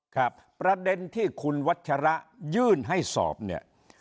ครับประเด็นที่คุณวัชระยื่นให้สอบเนี่ย